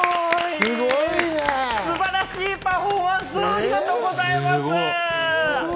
すごい！素晴らしいパフォーマンスをありがとうございます！